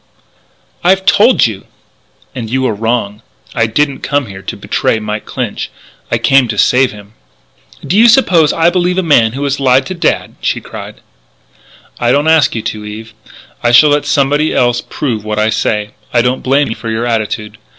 "I've told you!" "And you are wrong. I didn't come here to betray Mike Clinch: I came to save him." "Do you suppose I believe a man who has lied to Dad?" she cried. "I don't ask you to, Eve. I shall let somebody else prove what I say. I don't blame you for your attitude.